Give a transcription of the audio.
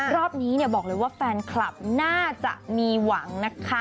รอบนี้บอกเลยว่าแฟนคลับน่าจะมีหวังนะคะ